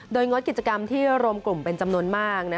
โดยงดกิจกรรมที่รวมกลุ่มเป็นจำนวนมาก